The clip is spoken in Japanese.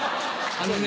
あのね